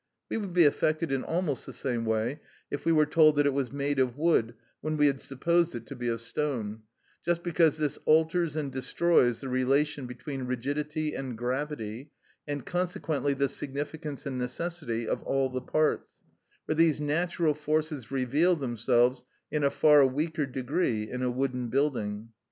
We would be affected in almost the same way if we were told that it was made of wood, when we had supposed it to be of stone, just because this alters and destroys the relation between rigidity and gravity, and consequently the significance and necessity of all the parts, for these natural forces reveal themselves in a far weaker degree in a wooden building.